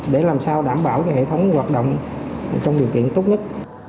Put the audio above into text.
để làm sao đảm bảo hệ thống hoạt động trong điều kiện tốt nhất